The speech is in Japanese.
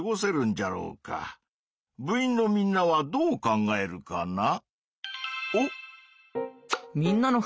部員のみんなはどう考えるかな？